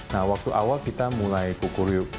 nah waktu awal kita mulai kukur yuk